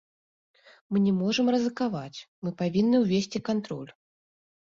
Мы не можам рызыкаваць, мы павінны ўвесці кантроль.